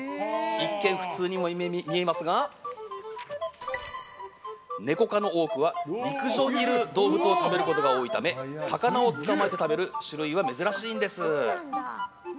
一見、普通にも見えますがネコ科の多くは陸上にいる動物を食べることが多いため魚を捕まえて食べる種類は珍しいんです。